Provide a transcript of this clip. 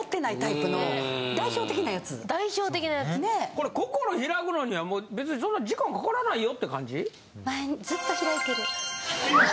これ心開くのにはもう別にそんな時間かからないよって感じ？